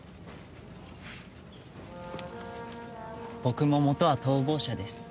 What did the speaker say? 僕も元は逃亡者です。